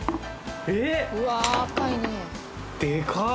えっ！？でかっ！